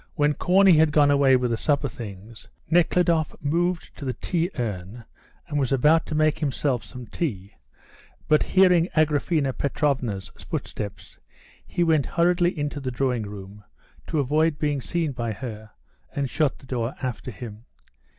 When Corney had gone away with the supper things, Nekhludoff moved to the tea urn and was about to make himself some tea, but hearing Agraphena Petrovna's footsteps, he went hurriedly into the drawing room, to avoid being seen by her, and shut the door after him.